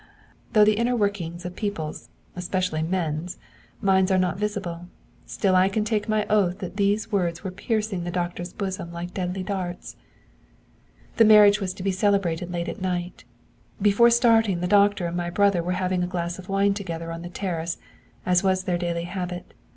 Though the inner workings of people's, especially men's, minds are not visible, still I can take my oath that these words were piercing the doctor's bosom like deadly darts. 'The marriage was to be celebrated late at night. Before starting, the doctor and my brother were having a glass of wine together on the terrace, as was their daily habit.